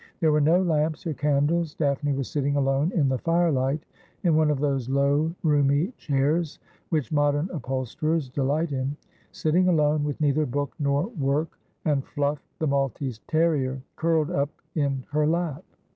There were no lamps or candles ; Daphne was sitting alone in the firelight, in one of those low roomy chairs which modern upholsterers delight in — sitting alone, with neither book nor work, and Fluff, the Maltese terrier, curled up in her lap.